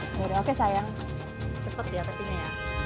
cepet dia petinya ya